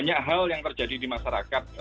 banyak hal yang terjadi di masyarakat